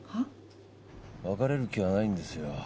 別れる気はないんですよわたしは。